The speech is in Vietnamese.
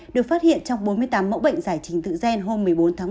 được phát hiện trong bốn mươi tám mẫu bệnh giải trình tự gen hôm một mươi bốn tháng một mươi